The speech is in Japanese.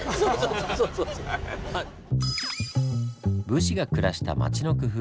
武士が暮らした町の工夫。